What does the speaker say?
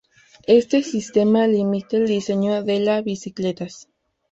Este sistema limita el diseño de la bicicletas.